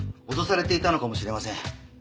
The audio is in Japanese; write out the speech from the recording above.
脅されていたのかもしれません。